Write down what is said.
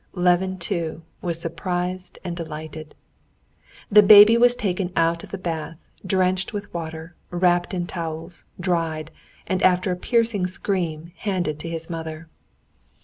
Levin, too, was surprised and delighted. The baby was taken out of the bath, drenched with water, wrapped in towels, dried, and after a piercing scream, handed to his mother.